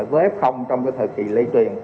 với f trong thời kỳ lây truyền